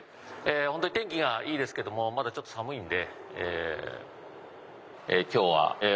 ほんとに天気がいいですけどもまだちょっと寒いんで。